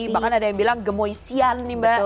bahkan ada yang bilang gemoisian nih mbak